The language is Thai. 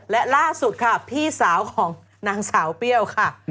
และล่าสุดค่ะพี่สาวของนางสาวเปรี้ยวค่ะ